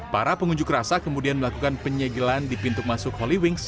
para pengunjuk rasa kemudian melakukan penyegelan di pintu masuk holy wings